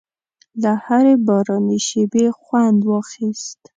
له هرې باراني شېبې خوند واخیست.